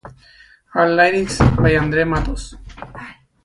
All lyrics by Andre Matos.